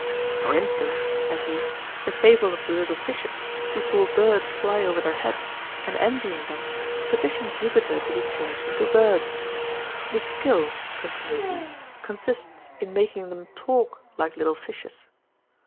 'For instance, (said he,) the fable of the little fishes, who saw birds fly over their heads, and envying them, petitioned Jupiter to be changed into birds. The skill (continued he,) consists in making them talk like little fishes.'